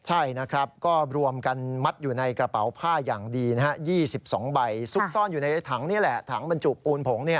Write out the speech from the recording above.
ใช่นะครับก็รวมกันมัดอยู่ในกระเป๋าผ้าอย่างดีนะฮะ๒๒ใบซุกซ่อนอยู่ในถังนี่แหละถังบรรจุปูนผง